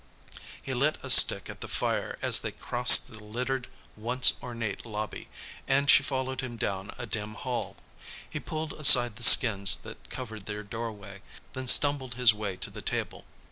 He lit a stick at the fire as they crossed the littered, once ornate lobby, and she followed him down a dim hall. He pulled aside the skins that covered their doorway, then stumbled his way to the table.